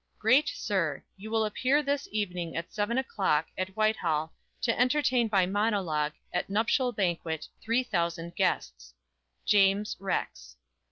"GREAT SIR: You will appear this evening at seven o'clock, at Whitehall, to entertain by monologue, at nuptial banquet, three thousand guests. "JAMES, Rex."